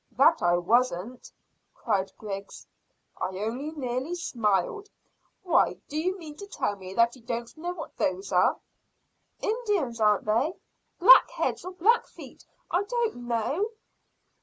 "That I wasn't," cried Griggs. "I only nearly smiled. Why, do you mean to tell me that you don't know what those are?" "Indians, aren't they? Blackheads or blackfeet I don't know."